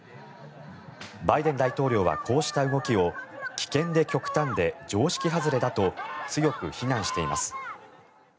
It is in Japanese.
バイデン大統領はこうした動きを危険で極端で常識外れだと強く非難しています。